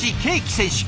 選手。